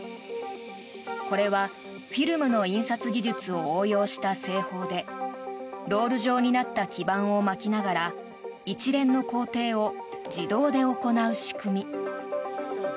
これはフィルムの印刷技術を応用した製法でロール状になった基板を巻きながら一連の工程を自動で行う仕組み。